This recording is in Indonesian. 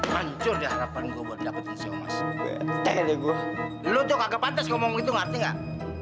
hancur diharapkan gua buat dapetin siomas bete gue lu tuh kagak pantas ngomong gitu ngerti nggak